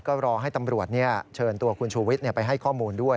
ก็รอให้ตำรวจเชิญตัวคุณชูวิทย์ไปให้ข้อมูลด้วย